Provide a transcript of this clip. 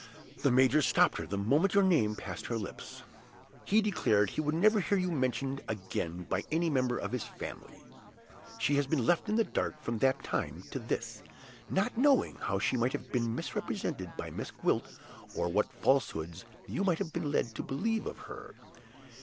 The major stopped her the moment your name passed her lips: he declared he would never hear you mentioned again by any member of his family. She has been left in the dark from that time to this, not knowing how she might have been misrepresented by Miss Gwilt, or what falsehoods you might have been led to believe of her.